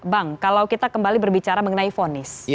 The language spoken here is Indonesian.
bang kalau kita kembali berbicara mengenai fonis